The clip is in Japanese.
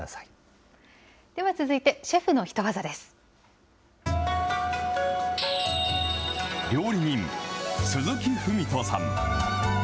では続いて、シェフのヒトワ料理人、鈴木史さん。